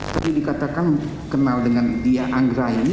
tadi dikatakan kenal dengan dia anggreni